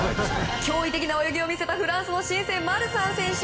驚異的な泳ぎを見せたフランスの新星マルシャン選手。